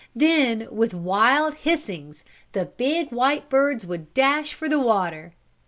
Then, with wild hissings, the big, white birds would dash for the water.